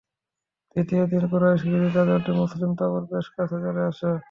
দ্বিতীয় দিন Quraysh guerrilla দলটি মুসলিম তাঁবুর বেশ কাছে চলে আসে।